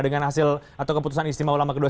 dengan hasil atau keputusan istimewa ulama kedua